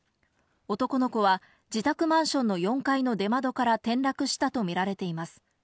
男の子は自宅マンションの４階の出窓から転落したと見られています。